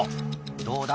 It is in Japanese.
どうだ？